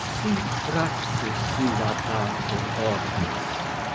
Si fractus illabatur orbis.